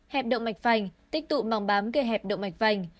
hẹp động mạch vành tích tụ màng bám gây hẹp động mạch vành